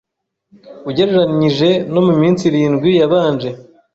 ugereranyije no mu minsi irindwi yabanje